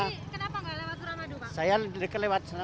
kenapa gak lewat suramadu